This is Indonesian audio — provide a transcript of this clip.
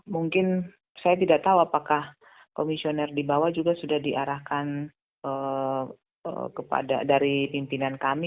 mungkin saya tidak tahu apakah komisioner di bawah juga sudah diarahkan dari pimpinan kami